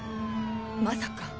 まさか。